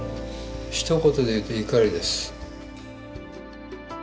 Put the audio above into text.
ひと言でいうと「怒り」です。